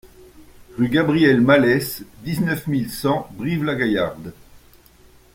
Rue Gabriel Malès, dix-neuf mille cent Brive-la-Gaillarde